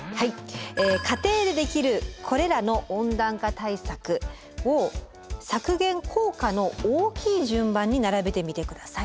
家庭でできるこれらの温暖化対策を削減効果の大きい順番に並べてみて下さい。